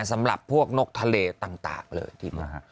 สำหรับพวกนกทะเลต่างเลยที่มา